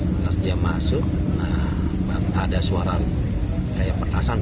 terus dia masuk nah ada suara kayak petasan